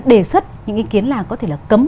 đề xuất những ý kiến là có thể là cấm